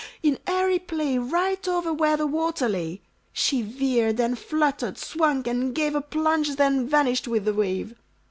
in airy play, Right over where the water lay! She veered and fluttered, swung and gave A plunge, then vanished with the wave!